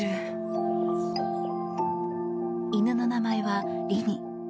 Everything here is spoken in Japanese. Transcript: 犬の名前はリニ。